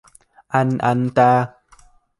Anh anh ta